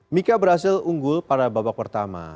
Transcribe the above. mika berhasil unggul pada babak pertama